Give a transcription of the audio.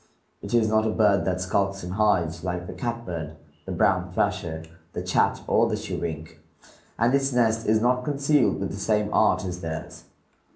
It is not a bird that skulks and hides, like the catbird, the brown thrasher, the chat, or the chewink, and its nest is not concealed with the same art as theirs.